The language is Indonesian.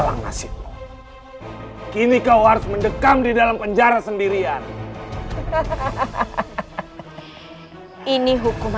una vez rima kenalahi kakandanya rude iklim